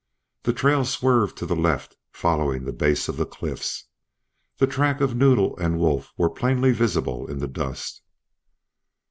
The trail swerved to the left following the base of the cliffs. The tracks of Noddle and Wolf were plainly visible in the dust.